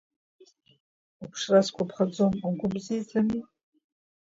Уԥшра сгәаԥхаӡом, угәы бзиаӡами?